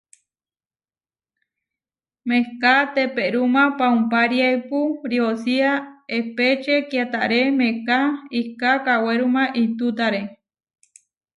Mehká teperúma paúmpariaipu riosía epečé kiatáre mehká iká kaweruma intútare.